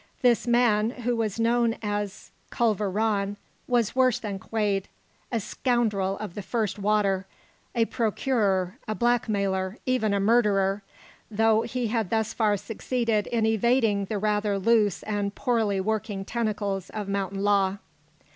This man, who was known as Culver Rann, was worse than Quade, a scoundrel of the first water, a procurer, a blackmailer, even a murderer though he had thus far succeeded in evading the rather loose and poorly working tentacles of mountain law.